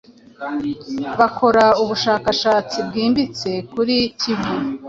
bakora ubushakashatsi.bwimbitse kuri kivu